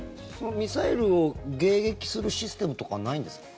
ミサイルを迎撃するシステムとかないんですか？